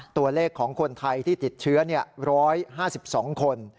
ตัวเลขของคนไทยที่ติดเชื้อ๑๕๒คน